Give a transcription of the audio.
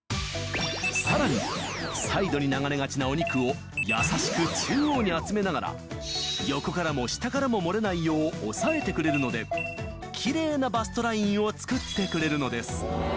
さらにサイドに流れがちなお肉を優しく中央に集めながら横からも下からも漏れないよう押さえてくれるのでキレイなバストラインを作ってくれるのです。